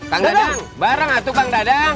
bang dadang bareng atuk bang dadang